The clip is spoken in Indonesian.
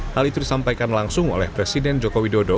hal itu disampaikan langsung oleh presiden joko widodo